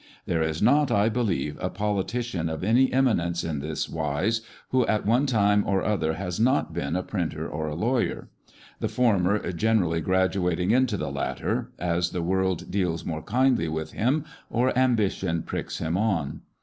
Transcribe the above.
There is not, I believe, a politician of any eminence in this wise, who at one time or other has not been a printer or a lawyer: the former generally graduating into the latter, as the world deals more kindly with him or ambition pricks him on.